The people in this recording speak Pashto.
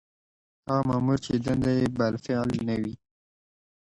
هغه مامور چې دنده یې بالفعل نه وي.